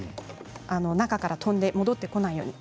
中から飛んで戻ってこないようにです。